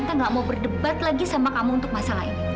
kita gak mau berdebat lagi sama kamu untuk masalah ini